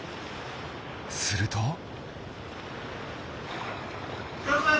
すると。